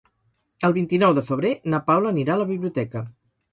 El vint-i-nou de febrer na Paula anirà a la biblioteca.